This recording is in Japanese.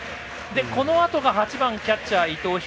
このあとが８番キャッチャー伊藤光。